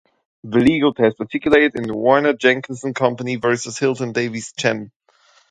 The legal test, articulated in Warner-Jenkinson Company versus Hilton Davis Chem.